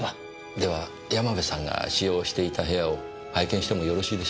では山部さんが使用していた部屋を拝見してもよろしいでしょうか。